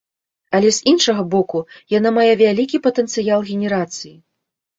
Але з іншага боку, яна мае вялікі патэнцыял генерацыі.